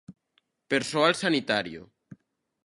Persoal sanitario.